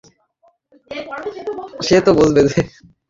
এ কথা বুঝিবার পথে একটিমাত্র অসুবিধা আছে।